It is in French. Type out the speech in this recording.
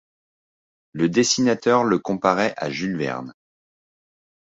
Le dessinateur le comparait à Jules Verne.